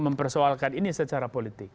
mempersoalkan ini secara politik